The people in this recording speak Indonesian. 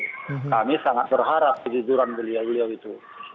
kami sangat berharap kejujuran beliau beliau itu